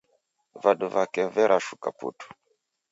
Vadu vake verashuka putu.